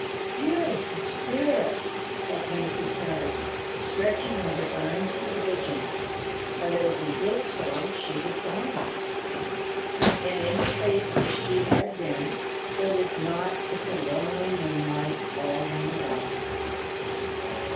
"Beautiful spirit," at length he cried, stretching out his arms to the vision; but as he did so she was gone, and in the place where she had been there was nought but the lonely moonlight falling on the rocks.